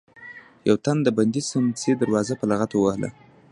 يو تن د بندې سمڅې دروازه په لغته ووهله.